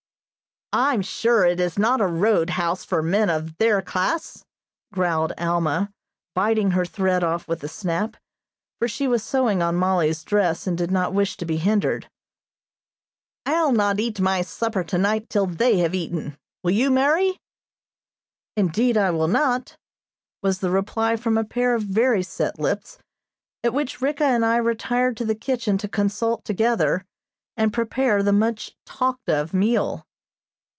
"I'm sure it is not a roadhouse for men of their class," growled Alma, biting her thread off with a snap, for she was sewing on Mollie's dress, and did not wish to be hindered. "I'll not eat my supper tonight till they have eaten; will you, Mary?" "Indeed, I will not," was the reply from a pair of very set lips, at which Ricka and I retired to the kitchen to consult together, and prepare the much talked of meal.